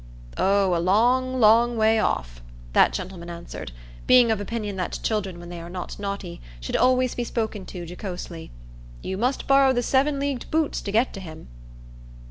"Oh, a long, long way off," that gentleman answered, being of opinion that children, when they are not naughty, should always be spoken to jocosely. "You must borrow the seven leagued boots to get to him."